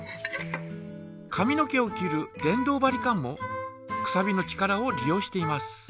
髪の毛を切る電動バリカンもくさびの力を利用しています。